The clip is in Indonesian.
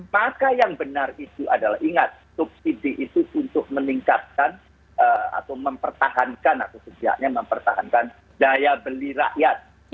maka yang benar itu adalah ingat subsidi itu untuk meningkatkan atau mempertahankan atau setidaknya mempertahankan daya beli rakyat